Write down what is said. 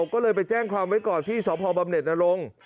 ก็เลยไปแจ้งความไว้ก่อนที่สพบำเน็ตนรงค์